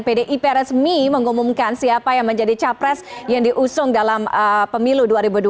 pdip resmi mengumumkan siapa yang menjadi capres yang diusung dalam pemilu dua ribu dua puluh